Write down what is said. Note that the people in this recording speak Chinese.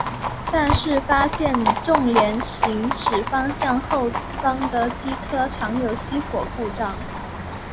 但是发现重联行驶方向后方的机车常有熄火故障。